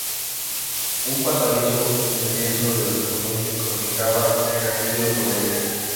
Un pasadizo, en el lienzo del poniente, comunicaba el castillo con la iglesia.